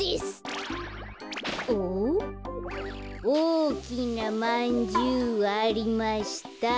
「おおきなまんじゅうありました」